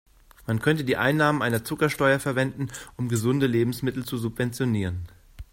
Man könnte die Einnahmen einer Zuckersteuer verwenden, um gesunde Lebensmittel zu subventionieren.